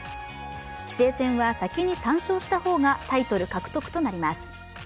棋聖戦は、先に３勝した方がタイトル獲得となります。